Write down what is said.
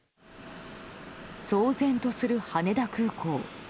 騒然とする羽田空港。